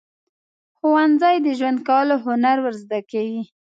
ښوونځی د ژوند کولو هنر ورزده کوي.